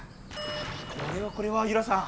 これはこれはユラさん。